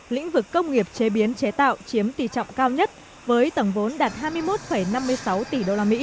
lĩnh vực công nghiệp chế biến chế tạo chiếm tỷ trọng cao nhất với tổng vốn đạt hai mươi một năm mươi sáu tỷ usd